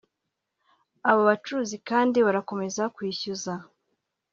Abo bacuruzi kandi barakomeza kwishyuza